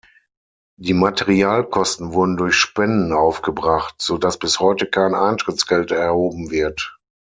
Die Materialkosten wurden durch Spenden aufgebracht, so dass bis heute kein Eintrittsgeld erhoben wird.